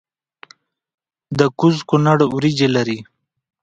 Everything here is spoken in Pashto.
د کوز کونړ وریجې لري